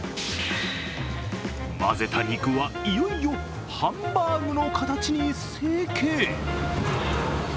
混ぜた肉はいよいよハンバーグの形に成形。